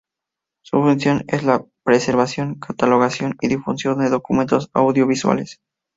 Su función es la preservación, catalogación y difusión de documentos audiovisuales.